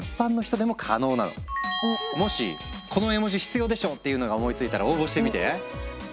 もしこの絵文字必要でしょっていうのが思いついたら応募してみて。